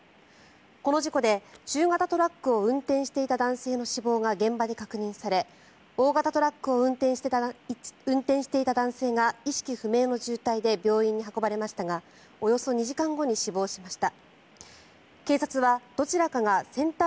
この事故で中型トラックを運転していた男性の死亡が現場で確認され大型トラックを運転していた男性が意識不明の重体で病院に運ばれましたがおよそ２時間後に死亡しました。